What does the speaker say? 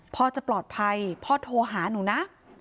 พ่อจะปลอดภัยพ่อโทรหาหนูนะ